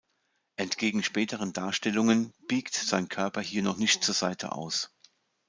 Entgegen späteren Darstellungen biegt sein Körper hier noch nicht zur Seite aus.